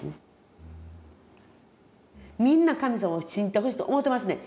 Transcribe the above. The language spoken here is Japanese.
みんな神様を信じてほしいと思うてますねん。